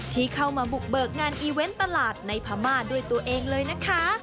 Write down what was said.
ที่เข้ามาบุกเบิกงานอีเวนต์ตลาดในพม่าด้วยตัวเองเลยนะคะ